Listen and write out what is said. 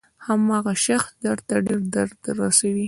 هماغه شخص درته ډېر درد رسوي.